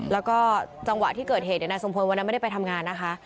แล้วก็จังหวะที่เกิดเหตุนายทรงพลวันนั้นไม่ได้ไปทำงานนะคะ